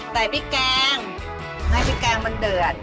พริกแกงให้พริกแกงมันเดือด